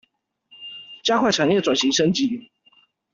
加快產業轉型升級